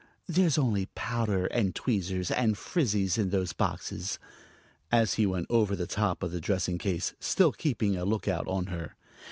There's only powder and tweezers and frizzes in those boxes," as he went over the top of the dressing case, still keeping a lookout on her.